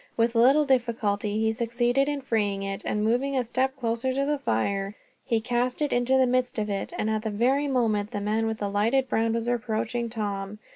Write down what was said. With little difficulty he succeeded in freeing it and, moving a step closer to the fire, he cast it into the midst of it, at the very moment the man with the lighted brand was approaching Tom.